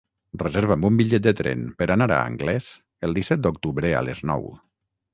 Reserva'm un bitllet de tren per anar a Anglès el disset d'octubre a les nou.